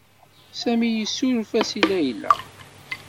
Sami yessuref-as i Layla.